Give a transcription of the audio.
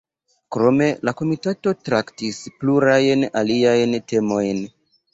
Krome la Komitato traktis plurajn aliajn temojn.